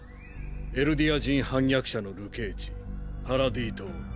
エルディア人反逆者の流刑地パラディ島。